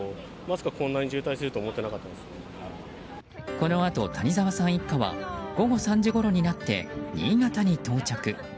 このあと谷澤さん一家は午後３時ごろになって新潟に到着。